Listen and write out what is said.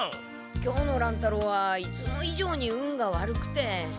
今日の乱太郎はいつも以上に運が悪くて。